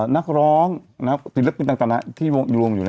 นักร้องนักศิลปินต่างที่ร่วมอยู่เนี่ย